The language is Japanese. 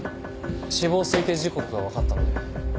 死亡推定時刻が分かったので。